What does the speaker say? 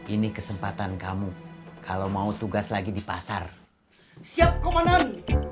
ini kesempatan kamu kalau mau tugas lagi di pasar siap komunal